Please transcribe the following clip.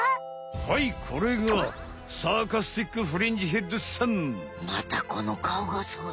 はいこれがまたこのかおがすごい！